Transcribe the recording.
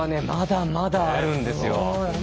まだまだあるんですよ。